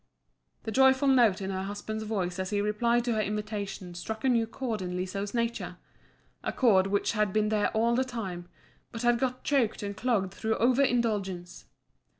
The joyful note in her husband's voice as he replied to her invitation struck a new chord in Liso's nature a chord which had been there all the time, but had got choked and clogged through over indulgence.